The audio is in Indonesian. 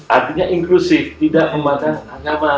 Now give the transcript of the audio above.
artinya inklusif tidak memakai agama